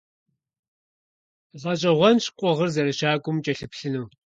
ГъэщӀэгъуэнщ къугъыр зэрыщакӀуэм укӀэлъыплъыну.